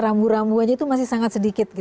rambu rambu aja itu masih sangat sedikit